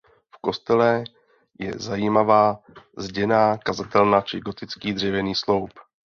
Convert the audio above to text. V kostele je zajímavá zděná kazatelna či gotický dřevěný sloup.